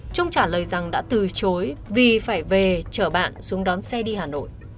trung trả lời rằng đã từ chối vì phải về chở bạn xuống đón xe đi hà nội